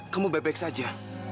kamu bebek saja